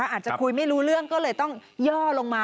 อาจจะคุยไม่รู้เรื่องก็เลยต้องย่อลงมา